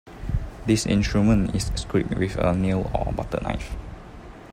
This instrument is scraped with a nail or butter knife.